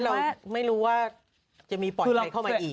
โดยที่เราไม่รู้ว่าจะมีปล่อยใดเข้าไปอีก